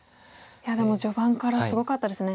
いやでも序盤からすごかったですね。